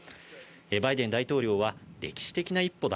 バイデン大統領は、歴史的な一歩だ。